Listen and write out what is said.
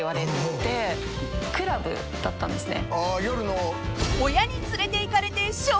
だったんですね。